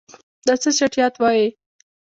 دا څه چټیات وایې.